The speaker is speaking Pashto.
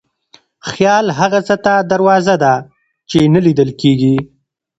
خیال هغه څه ته دروازه ده چې نه لیدل کېږي.